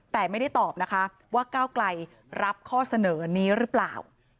แต่ไม่ได้ตอบนะคะว่าก้าวไกลรับข้อเสนอนี้หรือเปล่า